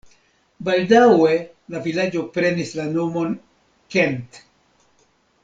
Baldaŭe la vilaĝo prenis la nomon Kent.